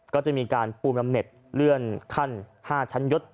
ก็จะมีการปูมลำเน็ตเลื่อนขั้น๕ชั้นยศ